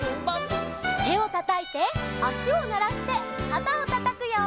てをたたいてあしをならしてかたをたたくよ。